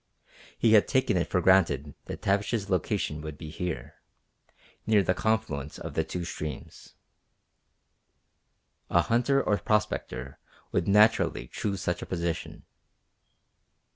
He had taken it for granted that Tavish's location would be here, near the confluence of the two streams. A hunter or prospector would naturally choose such a position.